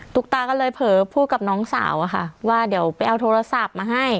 ุ๊กตาก็เลยเผลอพูดกับน้องสาวอะค่ะว่าเดี๋ยวไปเอาโทรศัพท์มาให้